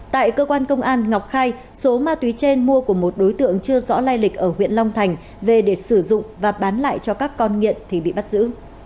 tại cơ quan công an ngọc khai số ma túy trên mua của một đối tượng chưa rõ lai lịch ở huyện long thành về để sử dụng và bán lại cho các con nghiện thì bị bắt giữ